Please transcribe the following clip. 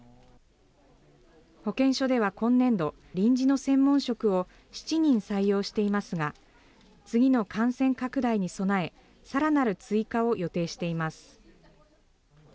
保健所では今年度、臨時の専門職を７人採用していますが、次の感染拡大に備え、さらなる追加を予定しています。